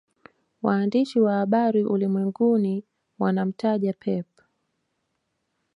Waandishi wa habari ulimwenguni wanamtaja Pep